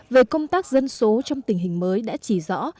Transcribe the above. về công tác dân số trong tình hình mới đã chỉ rõ